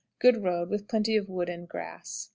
Good road, with plenty of wood and grass.